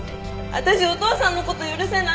私お父さんの事許せない。